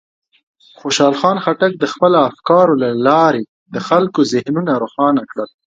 خوشحال خان خټک د خپلو افکارو له لارې د خلکو ذهنونه روښانه کړل.